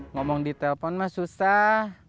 ngomong di telpon mah susah